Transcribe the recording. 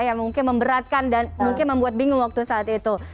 yang mungkin memberatkan dan mungkin membuat bingung waktu saat itu